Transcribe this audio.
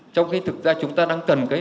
trong khi thực ra chúng ta đang cần